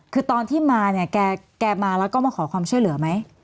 คือตอนที่มาเนี่ยแกมาแล้วก็มาขอความช่วยเหลือไหม